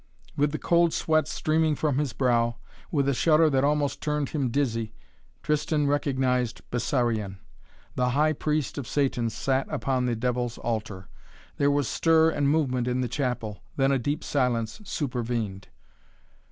With the cold sweat streaming from his brow, with a shudder that almost turned him dizzy, Tristan recognized Bessarion. The High Priest of Satan sat upon the Devil's altar. There was stir and movement in the chapel. Then a deep silence supervened.